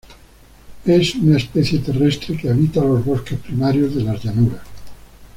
Es una especie terrestre que habita los bosques primarios de las llanuras.